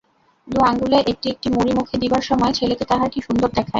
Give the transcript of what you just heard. দু আঙুলে একটি একটি মুড়ি মুখে দিবার সময় ছেলেকে তাহার কী সুন্দর দেখায়।